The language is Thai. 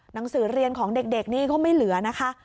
หนังสือเรียนของเด็กนี่ก็ไม่เหลือนะคะ